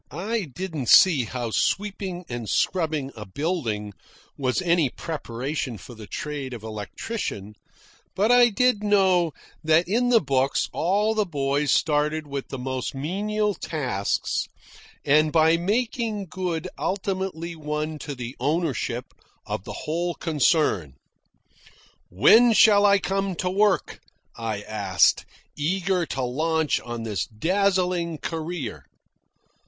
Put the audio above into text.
I didn't see how sweeping and scrubbing a building was any preparation for the trade of electrician; but I did know that in the books all the boys started with the most menial tasks and by making good ultimately won to the ownership of the whole concern. "When shall I come to work?" I asked, eager to launch on this dazzling career.